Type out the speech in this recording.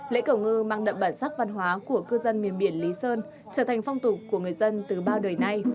lễ cầu ngư mang đậm bản sắc văn hóa của cư dân miền biển lý sơn trở thành phong tục của người dân từ bao đời nay